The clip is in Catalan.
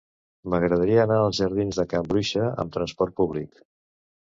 M'agradaria anar als jardins de Can Bruixa amb trasport públic.